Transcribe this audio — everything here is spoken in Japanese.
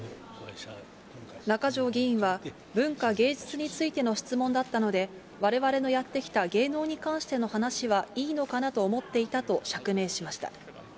中条議員は文化芸術についての質問だったので、われわれのやってきた芸能に関しての話はいいのかなと思っていたと釈明しました。